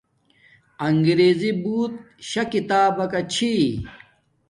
انگیزی بوت شا کتابکا چھی